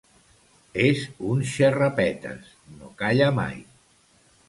És un xerrapetes, no calla mai